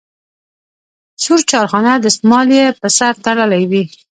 سور چارخانه دستمال یې په سر تړلی وي.